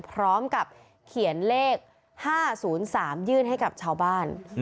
พร้อมกับเขียนเลข๕๐๓ยื่นให้กับชาวบ้าน